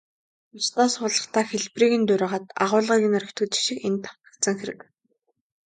Бусдаас хуулахдаа хэлбэрийг нь дуурайгаад, агуулгыг нь орхидог жишиг энд давтагдсан хэрэг.